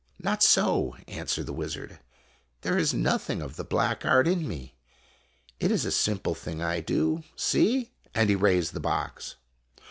" Not so," answered the wizard ;" there is nothing of the black art in me. It is a simple thing I do. See " and he raised the box.